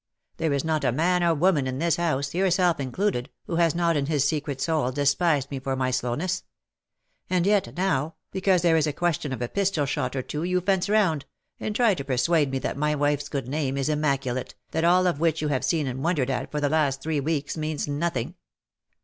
There is not a man or woman in this house, yourself included, who has not, in his secret soul, despised me for my slowness. And yet, now, because there is a question of a pistol shot or two you fence round, and try to persuade me that my wife's good name is immaculate, that all which you have seen and wondered at for the last three weeks means nothiug."